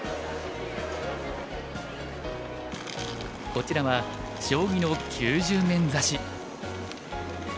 こちらは将棋の９０面指し。